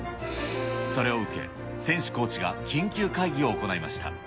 それを受け、選手、コーチが緊急会議を行いました。